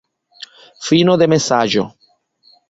Fino de mesaĝo.